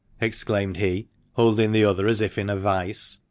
exclaimed he, holding the other as if in a vice.